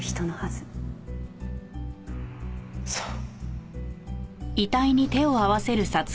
そう。